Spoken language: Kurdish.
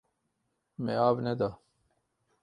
Me av neda.